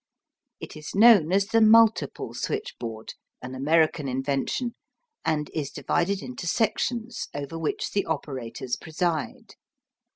It is known as the "multiple switchboard," an American invention, and is divided into sections, over which the operators preside.